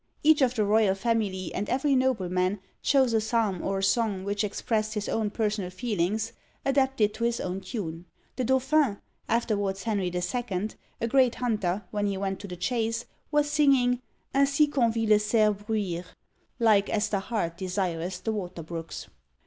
Each of the royal family, and every nobleman, chose a psalm or a song which expressed his own personal feelings, adapted to his own tune. The Dauphin, afterwards Henry the Second, a great hunter, when he went to the chase, was singing Ainsi qu'on vit le cerf bruyre. "Like as the hart desireth the water brooks."